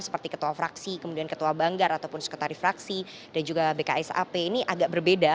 seperti ketua fraksi kemudian ketua banggar ataupun sekretaris fraksi dan juga bksap ini agak berbeda